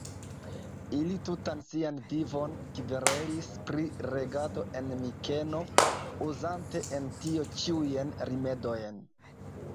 Ili tutan sian vivon kverelis pri regado en Mikeno, uzante en tio ĉiujn rimedojn.